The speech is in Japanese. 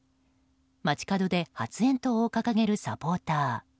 街角で発煙筒を掲げるサポーター。